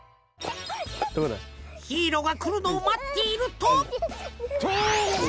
ヒーローがくるのをまっているととう！